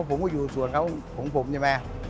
ผมก็อยู่ส่วนเขา